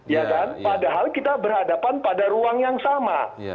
ya kan padahal kita berhadapan pada ruang yang sama